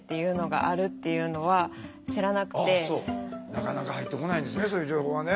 なかなか入ってこないですねそういう情報はね。